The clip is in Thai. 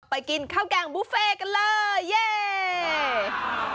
กินข้าวแกงบุฟเฟ่กันเลยเย่